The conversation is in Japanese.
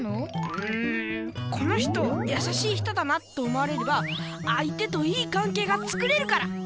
うんこの人やさしい人だなと思われれば相手といい関係がつくれるから！